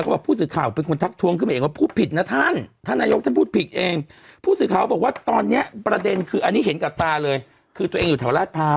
บางทีนายกก็คิดอะไรเยอะนั้นแหละ